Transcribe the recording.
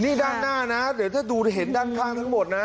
นี่ด้านหน้านะเดี๋ยวถ้าดูเห็นด้านข้างทั้งหมดนะ